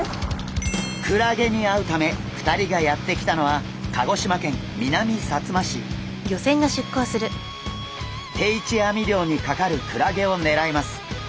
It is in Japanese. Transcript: クラゲに会うため２人がやって来たのは定置網漁にかかるクラゲをねらいます。